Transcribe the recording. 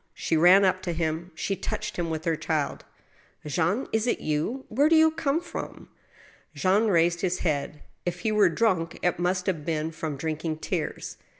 She ran up to him. She touched him with her child. " Jean, is this you ? Where do you come from ?" Jean raised his head. If he were drunk, it must have been from drinking tears.